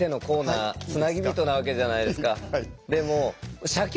でも社協自体がつなぎびとなわけじゃないですか。